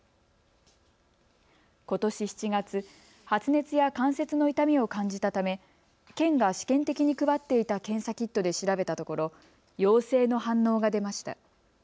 ことし７月、発熱や関節の痛みを感じたため県が試験的に配っていた検査キットで調べたところ陽性の反応が出ました。